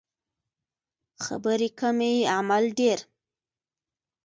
خبرې کمې عمل ډیر